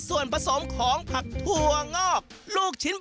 โรงโต้งคืออะไร